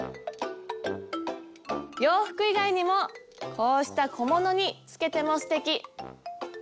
洋服以外にもこうした小物につけてもすてき。